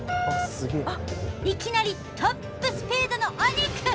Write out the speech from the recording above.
いきなりトップスピードのお肉！